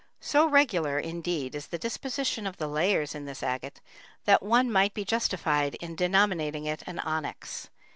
So regular, indeed, is the disposition of the layers in this agate that one might be justified in denominating it an onyx.